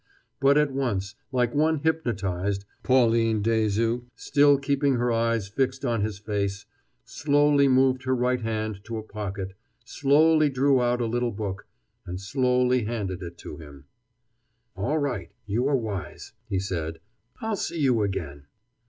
But at once, like one hypnotized, Pauline Dessaulx, still keeping her eyes fixed on his face, slowly moved her right hand to a pocket, slowly drew out a little book, and slowly handed it to him. "All right you are wise," he said. "I'll see you again."